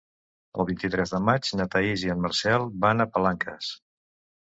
El vint-i-tres de maig na Thaís i en Marcel van a Palanques.